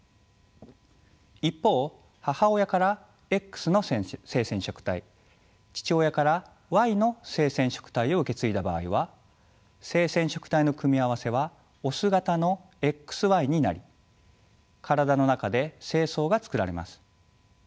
一方母親からＸの性染色体父親からＹの性染色体を受け継いだ場合は性染色体の組み合わせはオス型のＸＹになり体の中で精巣が作られます。